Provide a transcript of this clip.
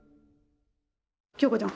京子ちゃん